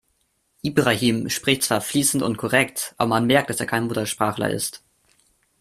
Ibrahim spricht zwar fließend und korrekt, aber man merkt, dass er kein Muttersprachler ist.